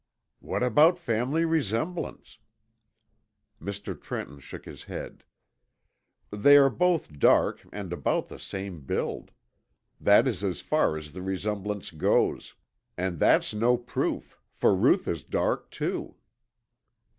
"What about family resemblance?" Mr. Trenton shook his head. "They are both dark and about the same build. That is as far as the resemblance goes, and that's no proof, for Ruth is dark, too."